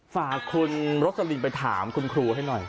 ฝากคุณรสลิงไปถามคุณครูให้หน่อย